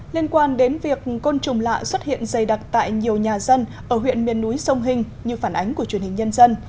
liên quan đến việc côn trùng lạ xuất hiện dày đặc tại nhiều nhà dân ở huyện miền núi sông hình như phản ánh của truyền hình nhân dân